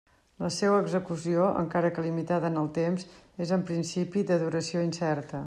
La seua execució, encara que limitada en el temps, és en principi de duració incerta.